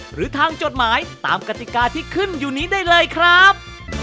หรือทางจดหมายตามกติกาที่ขึ้นอยู่นี้ได้เลยครับ